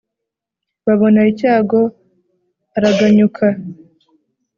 babona icyago araganyuka